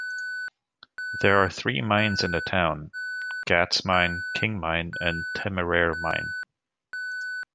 There are three mines in the town: Gath's Mine, King Mine and Temeraire Mine.